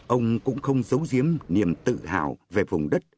ông cũng không giấu giếm niềm tự hào về vùng đất